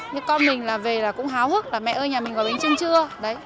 nhưng con mình là về là cũng háo hức là mẹ ơi nhà mình gọi bánh trưng chưa